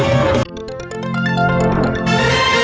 เย้